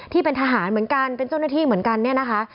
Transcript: ที่เป็นทหารเหมือนกันเป็นเจ้าหน้าที่เหมือนกันเนี่ยนะคะ